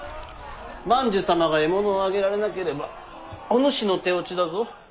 万寿様が獲物を挙げられなければおぬしの手落ちだぞ。